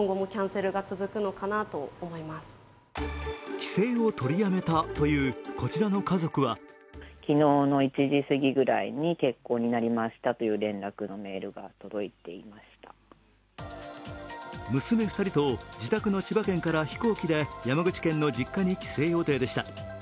帰省を取りやめたというこちらの家族は娘２人と自宅の千葉県から飛行機で山口県の実家に帰省予定でした。